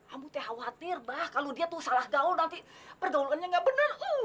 ambutnya khawatir bah kalau dia tuh salah gaul nanti pergaulannya nggak benar